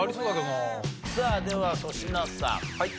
さあでは粗品さん。